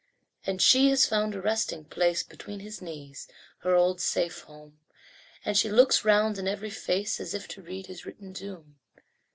And she has found a resting place Between his knees her old safe home And she looks round in every face As if to read his written doom.